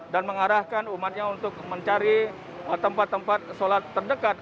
dan mengarahkan umatnya untuk mencari tempat tempat sholat terdekat